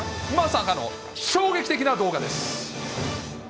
まさかの衝撃的な動画です。